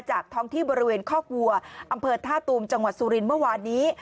ท้องที่บริเวณคอกวัวอำเภอท่าตูมจังหวัดสุรินทร์เมื่อวานนี้